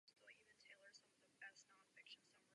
Jeho dalšímu veřejnému působení zabránil komunistický režim.